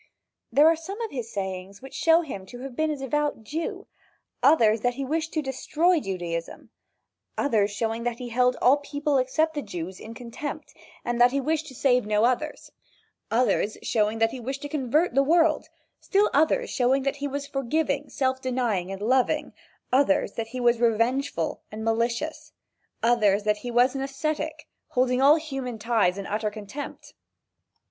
There are some of his sayings which show him to have been a devout Jew, others that he wished to destroy Judaism, others showing that he held all people except the Jews in contempt and that he wished to save no others, others showing that he wished to convert the world, still others showing that he was forgiving, self denying and loving, others that he was revengeful and malicious, others, that he was an ascetic, holding all human ties in utter contempt.